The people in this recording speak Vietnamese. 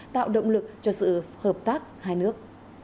tạo động lực cho sự hợp tác hai nước